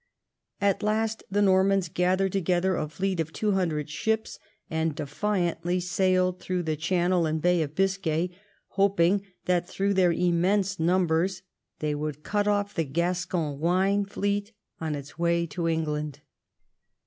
At last the Normans gathered together a fleet of two hundred ships, and defiantly sailed through the Channel and Bay of Biscay, hoping that through their immense numbers they would cut off the Gascon wine fleet on its way to England.